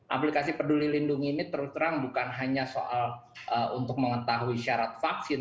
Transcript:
aplikasi peduli lindung ini terus terang bukan hanya soal untuk mengetahui syarat vaksin